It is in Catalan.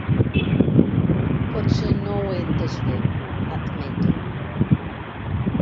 Potser no ho he entès bé —admeto—.